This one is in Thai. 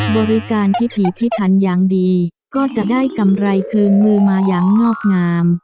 บริการพิถีพิถันอย่างดีก็จะได้กำไรคืนมือมาอย่างงอกงาม